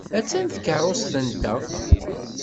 Attan tkeṛṛust-nteɣ.